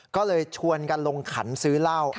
ก็เลยชวนกันลงขันซื้อเหล้า